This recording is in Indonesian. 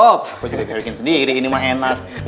kok jadi jadiin sendiri ini mah enak